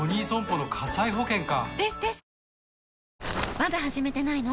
まだ始めてないの？